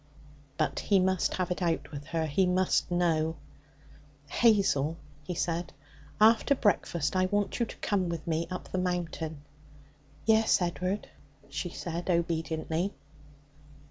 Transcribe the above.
But he must have it out with her. He must know. 'Hazel,' he said, 'after breakfast I want you to come with me up the Mountain.' 'Yes, Ed'ard,' she said obediently.